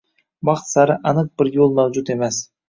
Baxt sari aniq bir yo‘l mavjud emas.